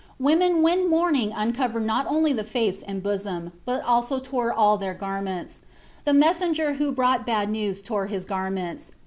Women when mourning uncovered not only the face and bosom, but also tore all their garments. The messenger who brought bad news tore his garments.